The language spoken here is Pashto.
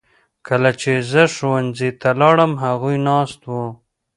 کله چې زه ښوونځي ته لاړم هغوی ناست وو.